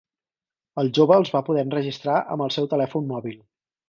El jove els va poder enregistrar amb el seu telèfon mòbil.